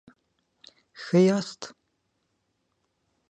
ښه یاست؟